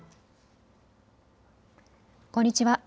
こんにちは。